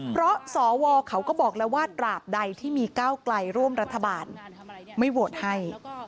เพราะสวเขาก็บอกแล้วว่าตราบใดที่มีก้าวไกลร่วมรัฐบาลไม่โหวตให้